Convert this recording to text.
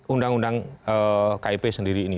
undang undang kip sendiri ini